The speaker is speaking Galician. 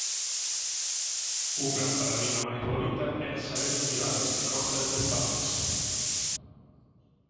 Unha, para min a máis bonita, é "Sabendo miradas", que consta de tres partes.